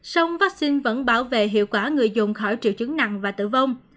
song vaccine vẫn bảo vệ hiệu quả người dùng khỏi triệu chứng nặng và tử vong